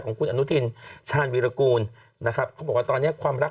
ของคุณอนุทินชาญวีรกูลนะครับเขาบอกว่าตอนนี้ความรัก